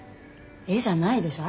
「え？」じゃないでしょ